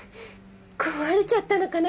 壊れちゃったのかな